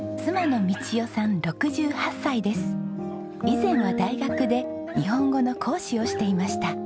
以前は大学で日本語の講師をしていました。